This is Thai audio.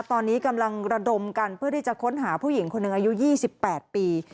ตอนนี้กำลังระดมกันเพื่อที่จะค้นหาผู้หญิงคนหนึ่งอายุ๒๘ปี